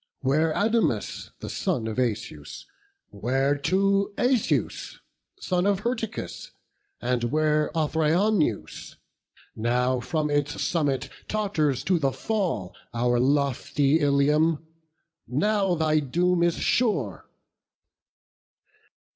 where Adamas, The son of Asius? where too Asius, son Of Hyrtacus? and where Othryoneus? Now from its summit totters to the fall Our lofty Ilium; now thy doom is sure."